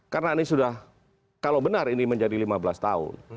karena ini sudah kalau benar ini menjadi lima belas tahun